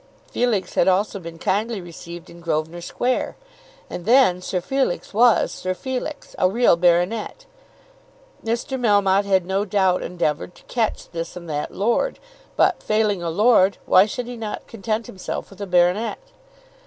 Felix had also been kindly received in Grosvenor Square. And then Sir Felix was Sir Felix, a real baronet. Mr. Melmotte had no doubt endeavoured to catch this and that lord; but, failing a lord, why should he not content himself with a baronet?